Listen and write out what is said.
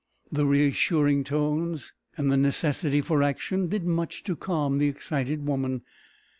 The reassuring tones and the necessity for action did much to calm the excited woman.